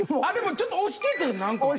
あれもちょっと押しててん。